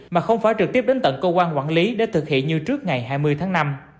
mà không phải trực tiếp đến tận cơ quan quản lý để thực hiện như trước ngày hai mươi tháng năm